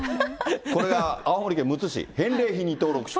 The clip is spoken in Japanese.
これが青森県むつ市、返礼品に登録して。